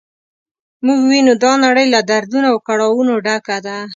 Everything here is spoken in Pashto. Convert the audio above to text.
موږ وینو دا نړۍ له دردونو او کړاوونو ډکه ده.